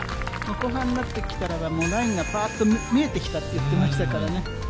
後半になってきたらば、ラインがぱーっと見えてきたって言ってましたからね。